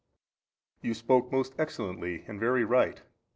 A. You spoke most excellently, and very right.